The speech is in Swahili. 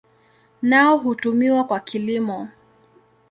Nao hutumiwa kwa kilimo.